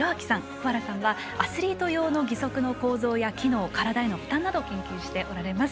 保原さんはアスリート用の義足の構造や機能、体への負担を研究しておられます。